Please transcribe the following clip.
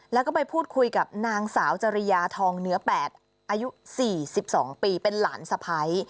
แล้วก็ไปพูดคุยกับนางสาวจริยาทองเนื้อ๘อายุ๔๒ปีเป็นหลานสะพ้าย